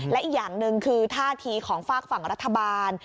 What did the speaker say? และอีกอย่างหนึ่งคือท่าทีของฝากฝั่งรัฐบาล